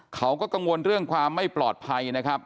เขาก็กังวลเรื่องความไม่ปลอดภัยนะครับ